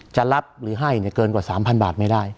จะรับหรือให้เกินกว่า๓๐๐บาทไม่ได้